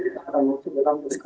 dikaitkan dengan kehidupan kita